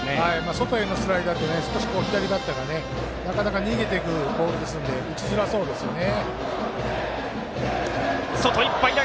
外へのスライダー少し左バッターが逃げていくボールなので打ちづらそうですね。